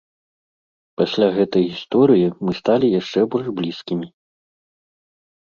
Пасля гэтай гісторыі мы сталі яшчэ больш блізкімі.